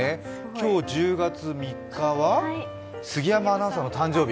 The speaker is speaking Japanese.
今日１０月３日は杉山アナウンサーの誕生日？